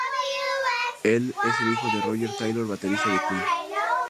Él es el hijo de Roger Taylor baterista de Queen.